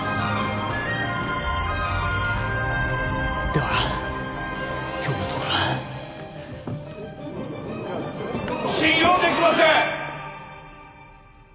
では今日のところは信用できません！